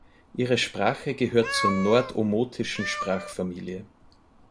Ihre Sprache gehört zur Nord-Omotischen Sprachfamilie.